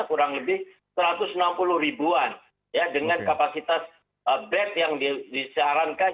kurang lebih satu ratus enam puluh ribuan dengan kapasitas bed yang disarankan